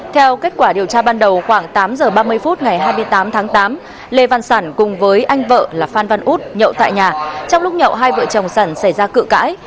theo kết quả điều tra ban đầu khoảng tám giờ ba mươi phút ngày hai mươi tám tháng tám lê văn sản cùng với anh vợ là phan văn út nhậu tại nhà trong lúc nhậu hai vợ chồng sản xảy ra cự cãi